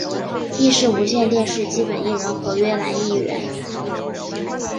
亦是无线电视基本艺人合约男艺员。